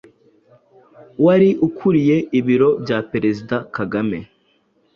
wari ukuriye ibiro bya Perezida Kagame